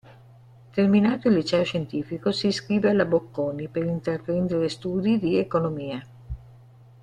Terminato il liceo scientifico, si iscrive alla Bocconi, per intraprendere studi di economia.